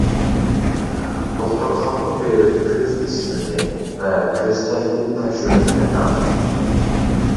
دوختۇرخانىغا بېرىپ كۆز بېسىمىنى ۋە كۆز تەكتىنى تەكشۈرتۈپ بېقىڭ.